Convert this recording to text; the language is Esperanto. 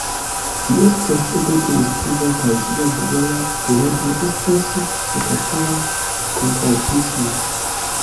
Ĝi estas edro-transitiva kaj ĝia duala pluredro estas oklatera kontraŭprismo.